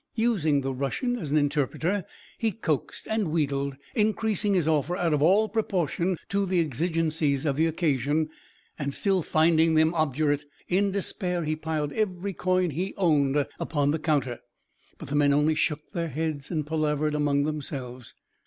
Using the Russian as interpreter, he coaxed and wheedled, increasing his offer out of all proportion to the exigencies of the occasion; and still finding them obdurate, in despair he piled every coin he owned upon the counter. But the men only shook their heads and palavered among themselves.